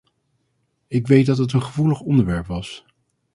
Ik weet dat het een gevoelig onderwerp was.